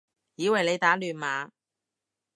以為你打亂碼